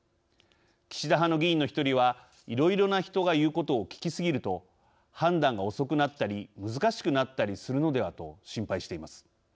岸田派の議員の１人は「いろいろな人が言うことを聞きすぎると判断が遅くなったり難しくなったりするのでは」と心配しています。